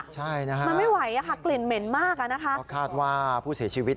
มันไม่ไหวค่ะกลิ่นเหม็นมากนะคะคาดว่าผู้เสียชีวิต